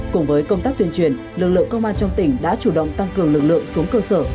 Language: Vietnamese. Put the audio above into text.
cùng với công tác tuyên truyền lực lượng công an trong tỉnh đã chủ động tăng cường lực lượng xuống cơ sở